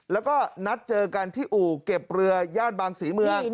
แล้วก็นัดเจอกันที่อู่เก็บเรือย่านบางศรีเมือง